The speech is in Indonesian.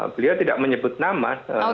beliau tidak menyebut nama